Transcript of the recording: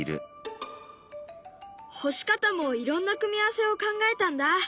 干し方もいろんな組み合わせを考えたんだ。